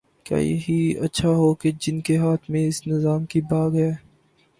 کیا ہی اچھا ہو کہ جن کے ہاتھ میں اس نظام کی باگ ہے۔